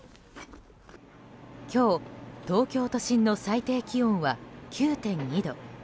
今日、東京都心の最低気温は９．２度。